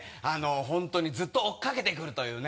本当にずっと追いかけてくるというね。